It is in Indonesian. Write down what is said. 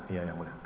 iya yang mulia